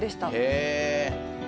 へえ。